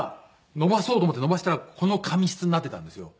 伸ばそうと思って伸ばしたらこの髪質になってたんですよ。